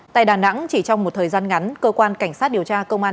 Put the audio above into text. tại đà nẵng chỉ trong một thời gian ngắn cơ quan cảnh sát điều tra công an